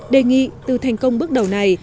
đề nghị từ thành công bước đầu này